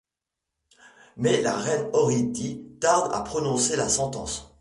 Mais la reine Orithie tarde à prononcer la sentence.